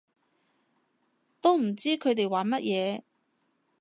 都唔知佢哋玩乜嘢